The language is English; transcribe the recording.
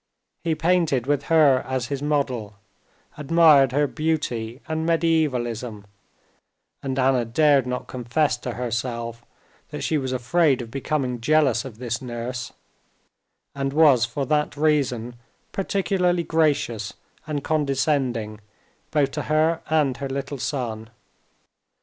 He painted with her as his model, admired her beauty and mediævalism, and Anna dared not confess to herself that she was afraid of becoming jealous of this nurse, and was for that reason particularly gracious and condescending both to her and her little son.